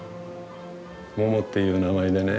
モモっていう名前でね